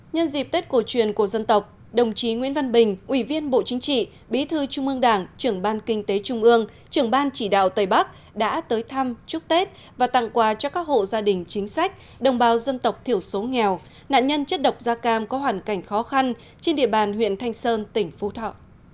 nhân dịp tết cổ truyền của dân tộc đồng chí nguyễn văn bình ủy viên bộ chính trị bí thư trung ương đảng trưởng ban kinh tế trung ương trưởng ban chỉ đạo tây bắc đã tới thăm chúc tết và tặng quà cho các hộ gia đình chính sách đồng bào dân tộc thiểu số nghèo nạn nhân chất độc da cam có hoàn cảnh khó khăn trên địa bàn huyện thanh sơn tỉnh phú thọ